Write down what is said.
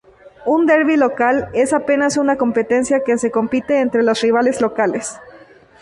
Un derby local es apenas una competencia que se compite entre los rivales locales.